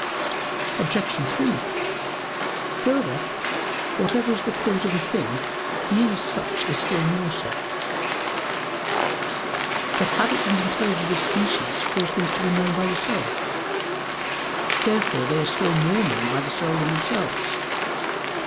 Obj. 3: Further, "whatever is the cause of a thing being such is still more so." But habits and intelligible species cause things to be known by the soul. Therefore they are still more known by the soul in themselves.